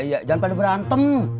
jangan pada berantem